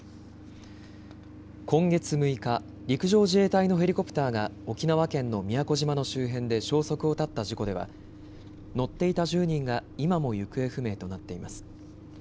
今月６日、陸上自衛隊のヘリコプターが沖縄県の宮古島の周辺で消息を絶った事故では乗っていた１０人が今も行方不明となっています。